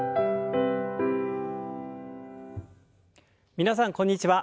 皆さんこんにちは。